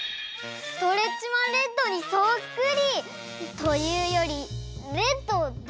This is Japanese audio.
ストレッチマンレッドにそっくり！というよりレッドだよね？